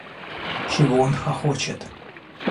— Чего он хохочет?